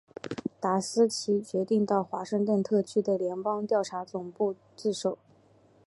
达斯奇决定到华盛顿特区的联邦调查局总部自首。